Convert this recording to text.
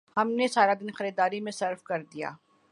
ہم نے سارا دن خریداری میں صرف کر دیا